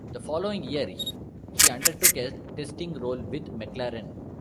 The following year, he undertook a testing role with McLaren.